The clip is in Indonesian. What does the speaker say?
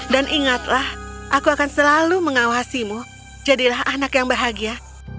dan ingatlah aku akan selalu mengawasimu jadilah anak yang bahagia